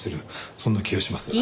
そんな気がします。